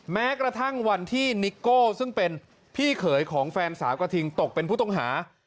แม้กระทั่งวันที่นิโก้ซึ่งเป็นพี่เขยของแฟนสาวกระทิงตกเป็นผู้ต้องหา